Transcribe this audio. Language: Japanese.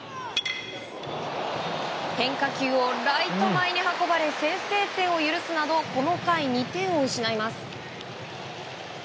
変化球をライト前に運ばれ先制点を許すなどこの回２点を失います。